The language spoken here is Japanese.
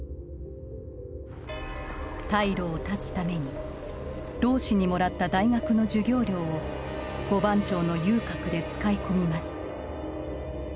退路を断つために老師にもらった大学の授業料を五番町の遊郭で使い込みます